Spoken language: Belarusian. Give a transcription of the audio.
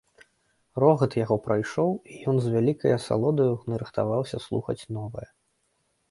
Рогат яго прайшоў, і ён з вялікаю асалодаю нарыхтаваўся слухаць новае.